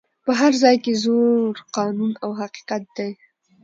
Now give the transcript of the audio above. په هر ځای کي زور قانون او حقیقت دی